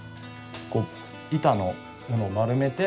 こう板のものを丸めて。